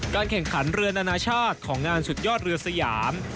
แข่งขันเรือนานาชาติของงานสุดยอดเรือสยาม